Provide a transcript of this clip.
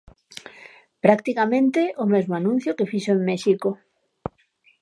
Practicamente o mesmo anuncio que fixo en México.